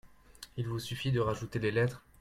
Il vous suffit de rajouter les lettres.